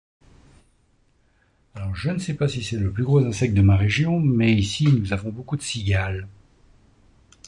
Alors je ne sais pas si c'est le plus gros insecte de ma région mais ici nous avons beaucoup de cigales.